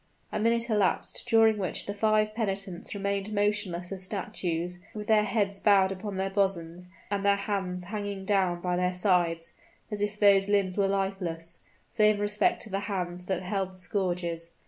A minute elapsed, during which the five penitents remained motionless as statues, with their heads bowed upon their bosoms, and their hands hanging down by their sides, as if those limbs were lifeless save in respect to the hands that held the scourges.